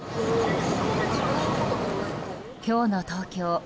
今日の東京。